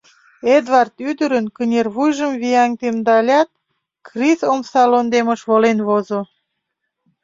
— Эдвард ӱдырын кынервуйжым виян темдалят, крис омса лондемыш волен возо.